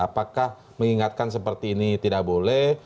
apakah mengingatkan seperti ini tidak boleh